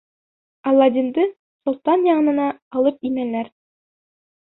Аладдинды солтан янына алып инәләр.